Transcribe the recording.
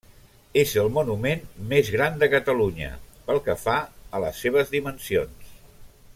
És el monument més gran de Catalunya pel que fa a les seves dimensions.